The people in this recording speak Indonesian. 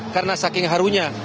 karena saking harunya